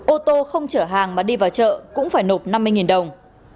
ô tô không chở hàng mà đi vào chợ cũng phải nộp năm mươi đồng